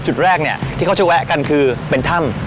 จุดแรกเนี่ยที่เขาจะแวะกันคือเป็นถ้ำ